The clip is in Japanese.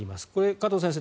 加藤先生